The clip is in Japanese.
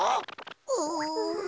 うん。